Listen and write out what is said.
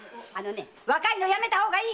若いのはやめた方がいいよ！